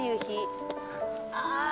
ああ！